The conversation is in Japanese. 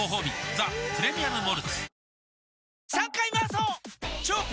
「ザ・プレミアム・モルツ」おおーー